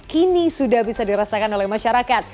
kini sudah bisa dirasakan oleh masyarakat